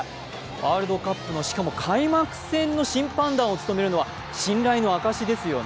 ワールドカップの、しかも開幕戦の審判団を務めるのは信頼の証しですよね。